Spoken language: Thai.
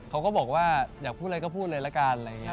เขาก็บอกว่าอยากพูดอะไรก็พูดเลยละกัน